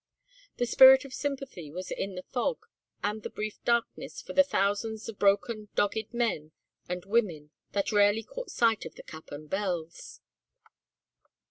The spirit of sympathy was in the fog and the brief darkness for the thousands of broken dogged men and women that rarely caught sight of the cap and bells.